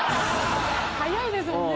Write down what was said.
早いですもんね。